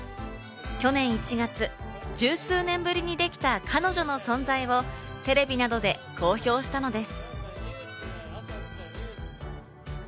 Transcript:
去年１月、十数年ぶりにできた彼女の存在をテレビなどで公表したのです。